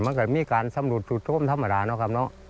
มันก็มีการสำรวจสูตรโทษธรรมดาเนอะครับเนอะ